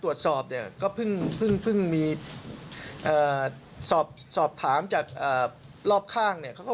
ตรวจสอบข้อที่จริงแล้ว